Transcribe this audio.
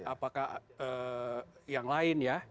apakah yang lain ya